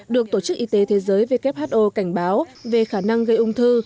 được tổ chức y tế thế giới who cảnh báo về khả năng gây ung thư